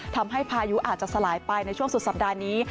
พายุอาจจะสลายไปในช่วงสุดสัปดาห์นี้